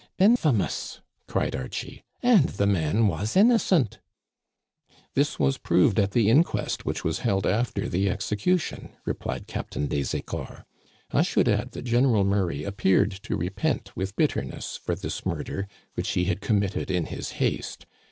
'"" Infamous !" cried Archie. " And the man was innocent !" "This was proved at the inquest which was held after the execution," replied Captain des Ecors. " I should add that General Murray appeared to repent with bitterness for this murder, which he had committed in his haste.